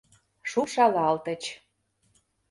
Шупшалалтыч.